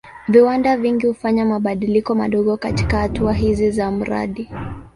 Viwanda vingi hufanya mabadiliko madogo katika hatua hizi za mradi.